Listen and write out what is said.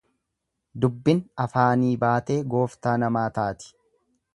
Dubbin afaanii baatee gooftaa namaa taati.